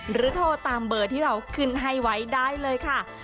โทรตามเบอร์ที่เราขึ้นให้ไว้ได้เลยค่ะ